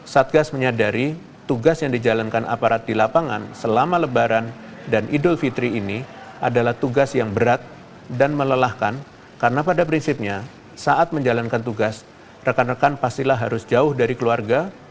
satgas menyadari tugas yang dijalankan aparat di lapangan selama lebaran dan idul fitri ini adalah tugas yang berat dan melelahkan karena pada prinsipnya saat menjalankan tugas rekan rekan pastilah harus jauh dari keluarga